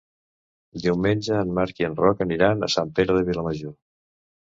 Diumenge en Marc i en Roc aniran a Sant Pere de Vilamajor.